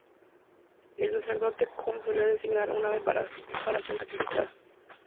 El sacerdote cohen, entonces solía designar a una ave para ser sacrificada.